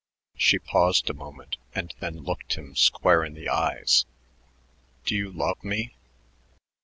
She paused a moment and then looked him square in the eyes. "Do you love me?"